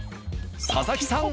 佐々木さん